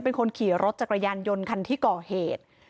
เป็นคนขี่รถจักรยานยนต์คันที่ก่อเหตุ